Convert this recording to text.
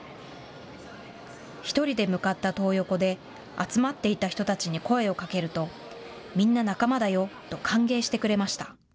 １人で向かったトー横で集まっていた人たちに声をかけるとみんな仲間だよと歓迎してくれました。